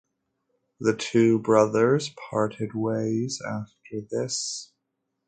The two brothers parted ways after this.